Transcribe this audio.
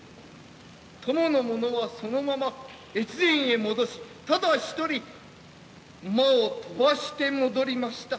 供の者はそのまま越前へ戻しただ一人馬を飛ばして戻りました。